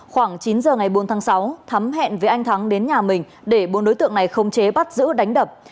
khoảng chín giờ ngày bốn tháng sáu thắm hẹn với anh thắng đến nhà mình để bốn đối tượng này không chế bắt giữ đánh đập